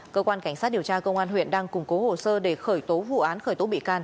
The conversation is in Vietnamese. cơ quan cảnh sát điều tra công an huyện đang củng cố hồ sơ để khởi tố vụ án khởi tố bị can